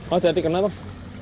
oh jadi kena bang